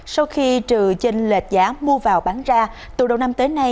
sau khi trừ trên lệch giá mua vào bán ra từ đầu năm tới nay